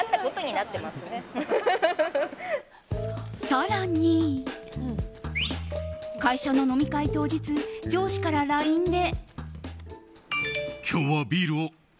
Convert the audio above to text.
更に、会社の飲み会当日上司からＬＩＮＥで。